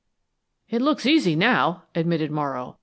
_ "It looks easy, now," admitted Morrow.